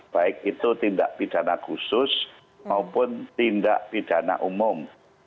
baik itu tindak pidana khusus maupun tindak pidana umum